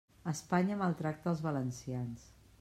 Espanya maltracta els valencians.